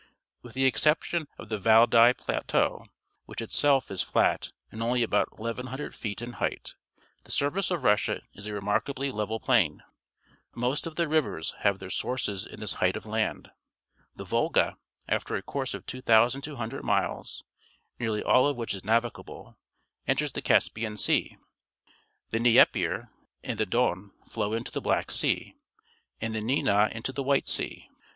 — With the exception of the Valdai Plateau, which itself is flat and only about 1,100 feet in height, the surface of Russia is a remarkably level plain. Most of the rivers have their sources in this height of land. The Volga, after a course of 2,200 miles, nearly all of which is navigable, enters 192 PUBLIC SCHOOL GEOGRAPHY the Caspian Sea. The Dnieper and the Don flow into the Black Sea, and the Dvina into the White Sea.